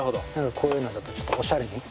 こういうのだとちょっとおしゃれに。